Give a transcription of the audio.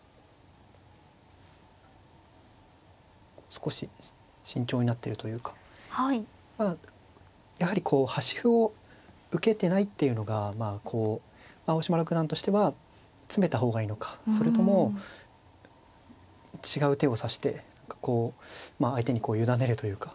少し慎重になってるというかやはりこう端歩を受けてないっていうのがまあこう青嶋六段としては詰めた方がいいのかそれとも違う手を指してこう相手に委ねるというか。